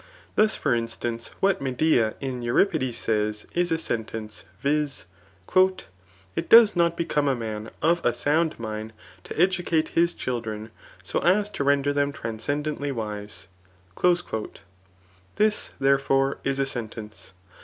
Thus for instance [what Meddi in Euripdet S9ys is a sei^enc^ vi^.] ^^ It does not become a man of. a sound mind to educate his children so as to render them transcendently wise." This, therefore, is a sen* tence.